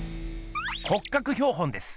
骨格標本です。